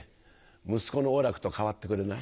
息子の王楽と代わってくれない？